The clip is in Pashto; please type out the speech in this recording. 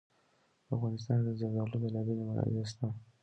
په افغانستان کې د زردالو بېلابېلې منابع شته دي.